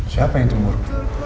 siapa yang cemburu